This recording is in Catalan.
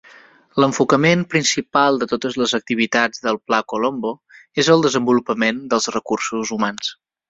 L'enfocament principal de totes les activitats del Pla Colombo és el desenvolupament dels recursos humans.